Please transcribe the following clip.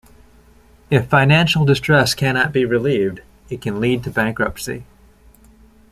If financial distress cannot be relieved, it can lead to bankruptcy.